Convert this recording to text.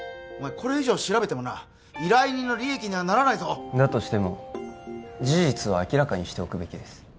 これ以上調べてもな依頼人の利益にはならないぞだとしても事実は明らかにしておくべきです